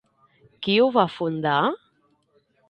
Qui ho va fundar?